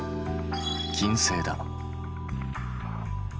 金星だ。